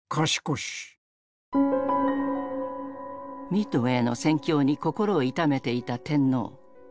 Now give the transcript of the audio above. ミッドウェーの戦況に心を痛めていた天皇。